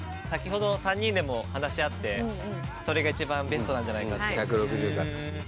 先ほど３人でも話し合ってそれが一番ベストなんじゃないかって。